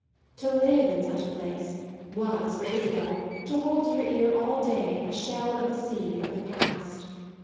To live in such a place was, for Isabel, to hold to her ear all day a shell of the sea of the past.